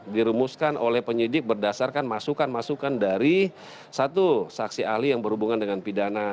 dirumuskan oleh penyidik berdasarkan masukan masukan dari satu saksi ahli yang berhubungan dengan pidana